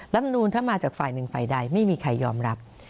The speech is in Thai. มนูลถ้ามาจากฝ่ายหนึ่งฝ่ายใดไม่มีใครยอมรับ